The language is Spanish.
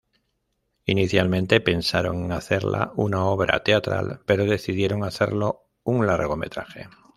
Inicialmente pensaron en hacerla una obra teatral, pero decidieron hacerlo un largometraje.